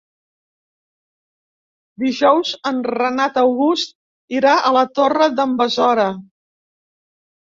Dijous en Renat August irà a la Torre d'en Besora.